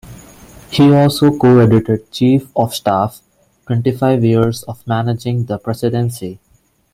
He also co-edited "Chief of Staff: Twenty-Five Years of Managing the Presidency".